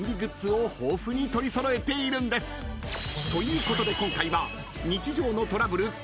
ということで今回は］